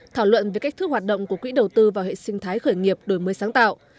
thảo luận về cách thức hoạt động của quỹ đầu tư vào hệ sinh thái khởi nghiệp đổi mới sáng tạo